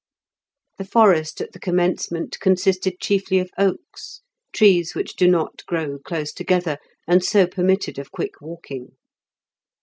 The forest at the commencement consisted chiefly of oaks, trees which do not grow close together, and so permitted of quick walking.